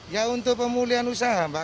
ya untuk pemulihan usaha mbak